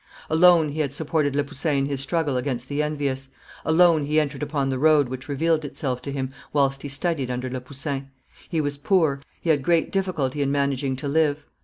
Alone he had supported Le Poussin in his struggle against the envious; alone he entered upon the road which revealed itself to him whilst he studied under Le Poussin. He was poor; he had great difficulty in managing to live.